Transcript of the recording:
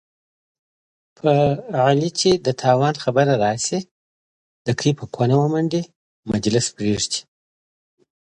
په علي چې د تاوان خبره راشي، لکۍ په کونه ومنډي، مجلس پرېږدي.